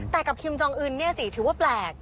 แต่กับคิมจองอื่นเนี่ยสิถือว่าแปลก